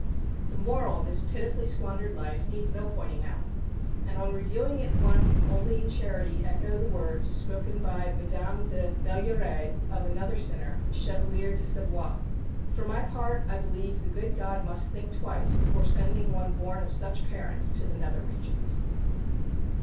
The moral of this pitifully squandered life needs no pointing out. And on reviewing it one can only in charity echo the words spoken by Madame de Meilleraye of another sinner, the Chevalier de Savoie, "For my part, I believe the good God must think twice before sending one born of such parents to the nether regions."